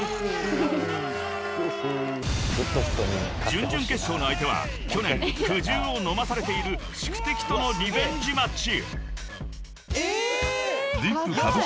［準々決勝の相手は去年苦汁を飲まされている宿敵とのリベンジマッチ］